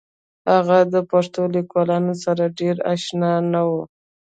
هغه د پښتو لیکوالانو سره ډېر اشنا نه و